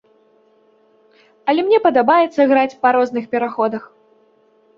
Але мне падабаецца граць па розных пераходах.